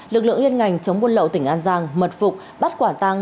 lực lượng liên ngành chống buôn lậu tỉnh an giang mật phục bắt quả tăng